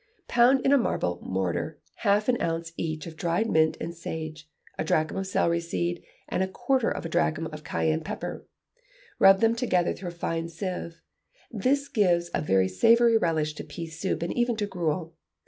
Pound in a marble mortar half an ounce each of dried mint and sage, a drachm of celery seed, and a quarter of a drachm of cayenne pepper; rub them together through a fine sieve, this gives a very savoury relish to pea soup and even to gruel.